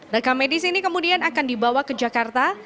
rekam medis ini kemudian akan dibawa ke jakarta